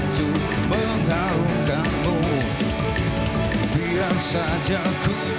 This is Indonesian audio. terima kasih pak